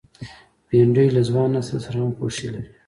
بېنډۍ له ځوان نسل سره هم خوښي لري